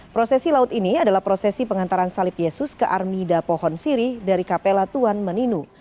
prosesi laut ini adalah prosesi pengantaran salib yesus ke armida pohon sirih dari kapela tuan meninu